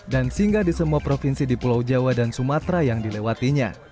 dan singgah di semua provinsi di pulau jawa dan sumatera yang dilewatinya